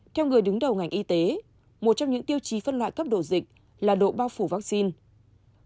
theo người đứng đầu ngành y tế một trong những tiêu chí phân loại cấp độ dịch là độ bao phủ vaccine